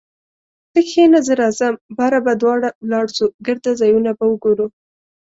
ته کښینه زه راځم باره به دواړه ولاړسو ګرده ځایونه به وګورو